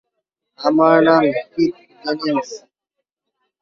আমার নাম Keith Jennings!